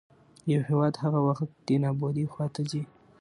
يـو هېـواد هـغه وخـت دې نـابـودۍ خـواتـه ځـي.